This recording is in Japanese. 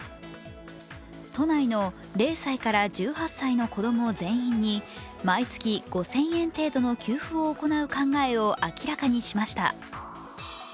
都内の０歳から１８歳の子供全員に毎月５０００円程度の給付を行う考えを明らかにしました。